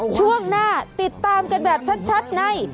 ช่วงหน้าติดตามกันแบบชัดใน